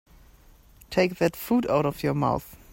Take that food out of your mouth.